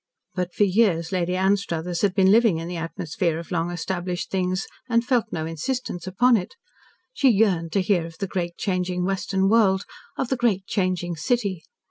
But for years Lady Anstruthers had been living in the atmosphere of long established things, and felt no insistence upon it. She yearned to hear of the great, changing Western world of the great, changing city.